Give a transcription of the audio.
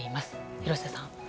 廣瀬さん。